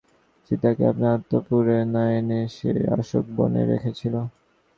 সীতাকে আপনার অন্তঃপুরে না এনে সে অশোকবনে রেখেছিল।